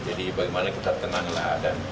jadi bagaimana kita tenanglah